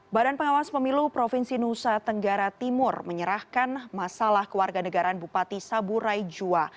badan pengawas pemilu provinsi nusa tenggara timur menyerahkan masalah keluarga negaraan bupati saburai jua